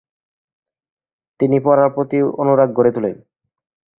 তিনি পড়ার প্রতি অনুরাগ গড়ে তোলেন।